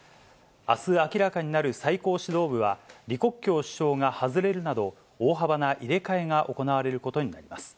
あす明らかになる最高指導部は、李克強首相が外れるなど、大幅な入れ替えが行われることになります。